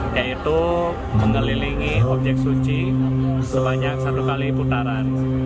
yaitu mengelilingi objek suci sebanyak satu kali putaran